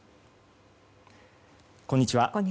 こんにちは。